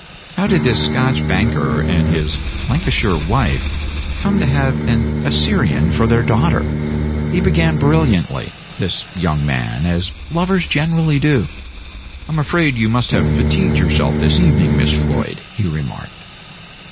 "How did this Scotch banker and his Lancashire wife come to have an Assyrian for their daughter?" He began brilliantly, this young man, as lovers generally do. "I am afraid you must have fatigued yourself this evening, Miss Floyd," he remarked.